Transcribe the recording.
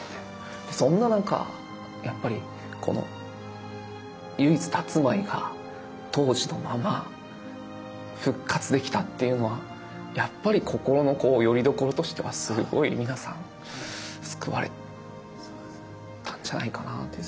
そんな中やっぱりこの唯一たつまいが当時のまま復活できたというのはやっぱり心のよりどころとしてはすごい皆さん救われたんじゃないかなっていう。